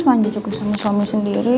panji cukup sama suami sendiri